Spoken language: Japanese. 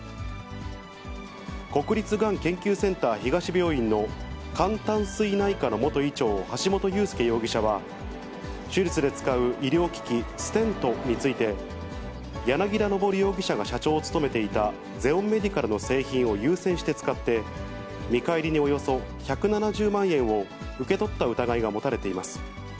国立がん研究センター東病院の肝胆膵内科の元医長、橋本裕輔容疑者は、手術で使う医療機器、ステントについて、柳田昇容疑者が社長を務めていた、ゼオンメディカルの製品を優先して使って、見返りにおよそ１７０万円を受け取った疑いが持たれています。